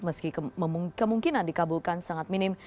meski kemungkinan dikabulkan sangat minim